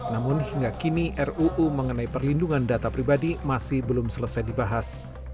namun hingga kini ruu mengenai perlindungan data pribadi masih belum selesai dibahas